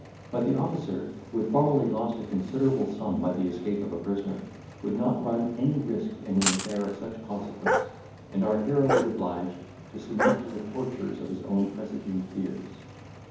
But the officer, who had formerly lost a considerable sum by the escape of a prisoner, would not run any risk in an affair of such consequence, and our hero was obliged to submit to the tortures of his own presaging fears.